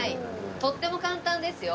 とっても簡単ですよ。